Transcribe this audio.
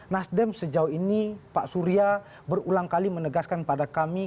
nasdem sejauh ini pak surya berulang kali menegaskan pada kami